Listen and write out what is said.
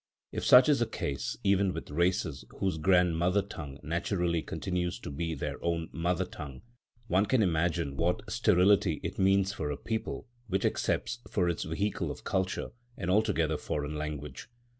If such is the case even with races whose grandmother tongue naturally continues to be their own mother tongue, one can imagine what sterility it means for a people which accepts, for its vehicle of culture, an altogether foreign language.